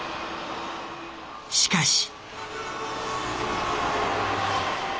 しかし。